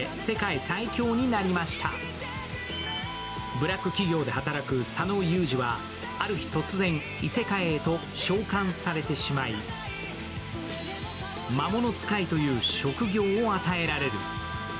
ブラック企業で働く佐野ユージはある日突然、異世界へと召喚されてしまい魔物使いという職業を与えられる。